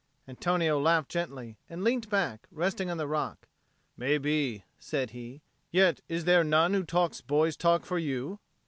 Antonio laughed gently, and leant back, resting on the rock. "May be," said he. "Yet is there none who talks boys' talk for you?"